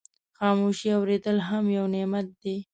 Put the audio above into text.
خاموشي اورېدل هم یو نعمت دی.